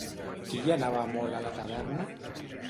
Qui hi anava molt a la taverna?